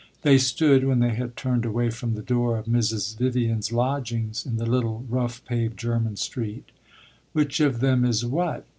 They stood, when they had turned away from the door of Mrs. Vivian's lodgings, in the little, rough paved German street. "Which of them is what?"